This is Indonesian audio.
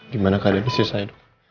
gimana kalian bisa selesai